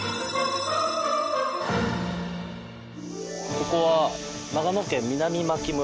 ここは長野県南牧村。